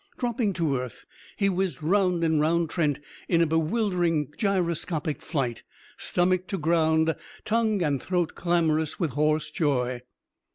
Dropping to earth, he whizzed round and round Trent in a bewildering gyroscopic flight, stomach to ground, tongue and throat clamorous with hoarse joy.